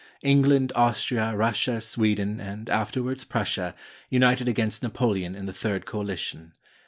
England, Austria, Russia, Sweden, and afterwards Prussia, united against Napoleon in the Third Coalition.